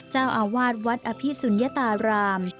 เจ้าอาวาสวัดอภิสุนยตาราม